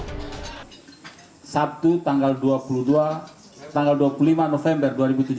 sabtu tanggal dua puluh dua tanggal dua puluh lima november dua ribu tujuh belas